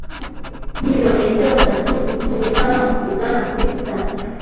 Nibirometero bitatu uvuye hano ugana kuri sitasiyo.